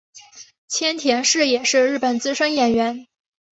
千田是也是日本资深演员。